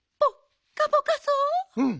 うん。